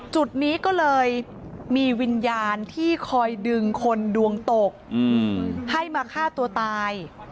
จุดนี้ก็เลยมีวิญญาณที่คอยดึงคนดวงตกให้มาฆ่าตัวตาย